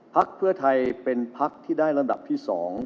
พักเพื่อไทยเป็นพักที่ได้ลำดับที่๒